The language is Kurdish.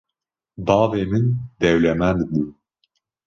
Bavê min dewlemend bû